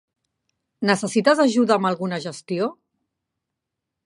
Necessites ajuda amb alguna gestió?